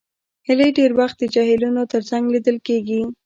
هیلۍ ډېر وخت د جهیلونو تر څنګ لیدل کېږي